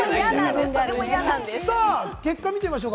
結果を見てみましょう。